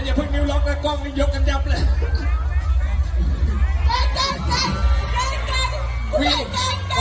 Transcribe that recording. แหมเอยนิ้วล็อกแล้วกล้องยกอันยับเลย